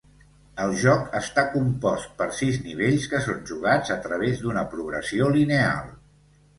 El joc està compost per sis nivells que són jugats a través d'una progressió lineal.